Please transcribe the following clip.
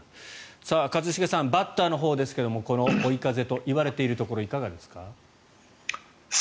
一茂さんバッターのほうですがこの追い風といわれているところいかがですか？